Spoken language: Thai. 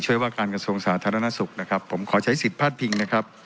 ว่าการกระทรวงสาธารณสุขนะครับผมขอใช้สิทธิพลาดพิงนะครับ